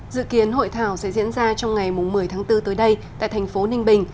dự kiến hội thảo sẽ diễn ra trong ngày một mươi tháng bốn tới đây tại thành phố ninh bình